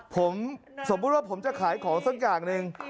ผมสมมุติว่าผมจะขายของสักอย่างหนึ่ง